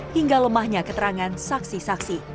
hingga lemahnya keterangan saksi saksi